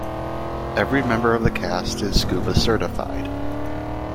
Every member of the cast is scuba-certified.